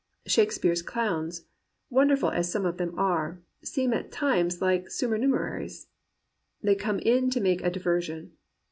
Shakespeare's clowns, wonderful as some of them are, seem at times like supernumeraries. They come in to make a "diversion."